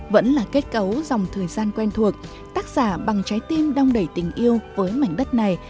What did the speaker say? vẫn là kết cấu dòng thời gian quen thuộc tác giả bằng trái tim đong đẩy tình yêu với mảnh đất này